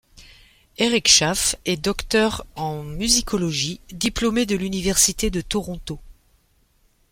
Eric Chafe est docteur en musicologie, diplômé de l'Université de Toronto.